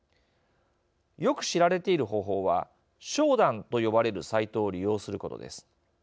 よく知られている方法はＳＨＯＤＡＮと呼ばれるサイトを利用することです。